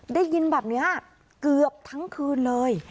ได้ยินแบบนี้เกือบทั้งคืนเลย